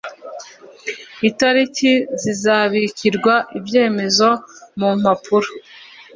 itariki zizabikirwa ibyemezo mu mpapuro